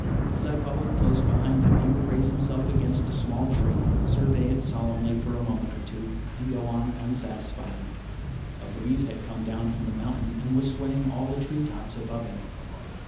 As I followed close behind him, he would raise himself against a small tree, survey it solemnly for a moment or two, and go on unsatisfied. A breeze had come down from the mountain and was swaying all the tree tops above him.